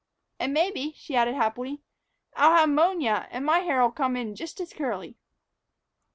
"And maybe," she added happily, "I'll have 'monia, and my hair'll come in just as curly."